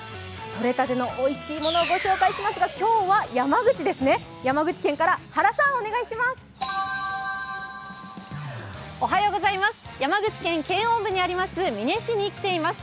取れたてのおいしいものをご紹介しますが今日は山口県から原さん、お願いします。